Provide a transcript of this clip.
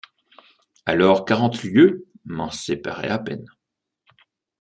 Alors quarante lieues m’en séparaient à peine !